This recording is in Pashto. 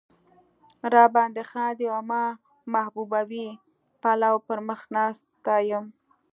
را باندې خاندي او ما محجوبوي پلو پر مخ ناسته یم.